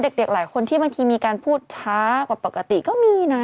เด็กหลายคนที่บางทีมีการพูดช้ากว่าปกติก็มีนะ